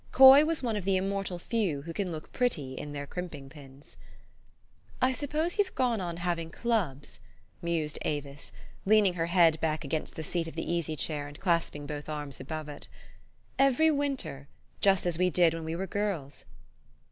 Coy was one of the immortal few who can look pretty in their crimping pins. " I suppose you've gone on having clubs," mused Avis, leaning her head back against the seat of the easy chair, and clasping both arms above it, " every winter, just as we did when we were girls."